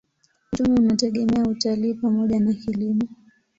Uchumi unategemea utalii pamoja na kilimo.